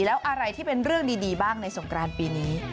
แล้วอะไรที่เป็นเรื่องดีบ้างในสงกรานปีนี้